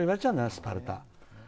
「スパルタ」。